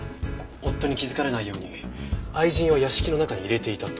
夫に気づかれないように愛人を屋敷の中に入れていたとか。